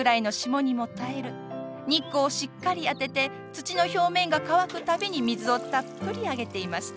日光をしっかり当てて土の表面が乾くたびに水をたっぷりあげていました。